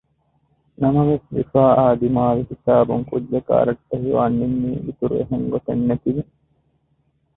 ނަމަވެސް ރިފާއާ ދިމާވި ހިސާބުން ކުއްޖަކާ ރައްޓެހިވާން ނިންމީ އިތުރު އެހެން ގޮތެއް ނެތިގެން